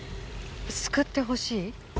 救ってほしい？